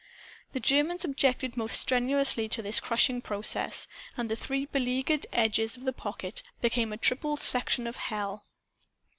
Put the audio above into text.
The Germans objected most strenuously to this crushing process. And the three beleaguered edges of the pocket became a triple section of hell.